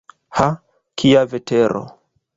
Ha, kia vetero!